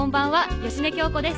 芳根京子です。